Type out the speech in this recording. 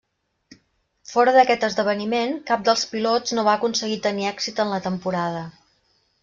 Fora d'aquest esdeveniment, cap dels pilots no va aconseguir tenir èxit en la temporada.